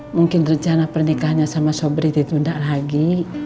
mungkin rencana pernikahannya sama sobri ditunda lagi